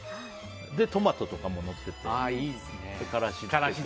で、トマトとかものっててからしで。